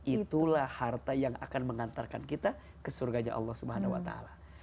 itulah harta yang akan mengantarkan kita ke surganya allah swt